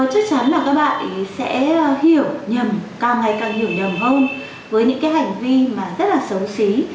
chắc chắn là các bạn sẽ hiểu nhầm càng ngày càng hiểu nhầm hơn với những cái hành vi mà rất là xấu xí